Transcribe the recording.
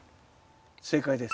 正解です。